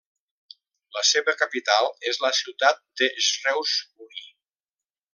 La seva capital és la ciutat de Shrewsbury.